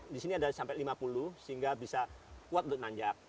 di sini ada sampai lima puluh sehingga bisa kuat untuk nanjak